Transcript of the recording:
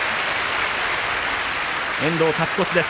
遠藤、勝ち越しです。